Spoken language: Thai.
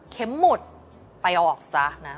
เข็มหมุดไปเอาออกซะ